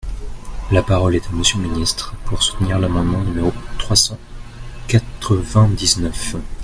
La parole est à Monsieur le ministre, pour soutenir l’amendement numéro trois cent quatre-vingt-dix-neuf.